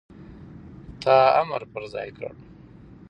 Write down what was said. تا امر پر ځای کړ،